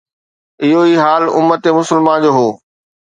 اهو ئي حال امت مسلمه جو هو.